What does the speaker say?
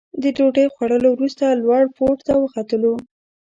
د ډوډۍ خوړلو وروسته لوړ پوړ ته وختلو.